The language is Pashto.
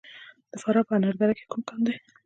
د فراه په انار دره کې کوم کان دی؟